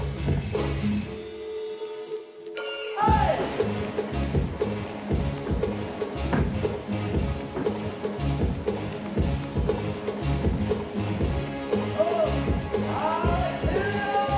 はい終了！